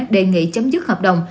đề nghị chấm dứt hợp đồng